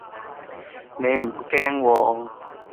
你唔驚喎